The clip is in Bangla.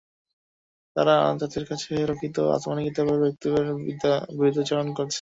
তারা তাদের কাছে রক্ষিত আসমানী কিতাবের বক্তব্যের বিরুদ্ধাচরণ করেছে।